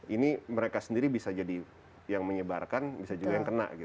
ini mereka sendiri bisa jadi yang menyebarkan bisa juga yang kena gitu